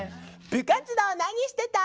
「部活動何してた？」。